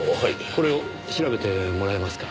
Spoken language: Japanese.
これを調べてもらえますか？